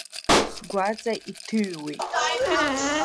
Сгәаҵа иҭыҩуеит.